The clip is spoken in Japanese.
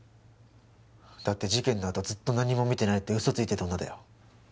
だって事件のあとずっとなんにも見てないって嘘ついてた女だよ。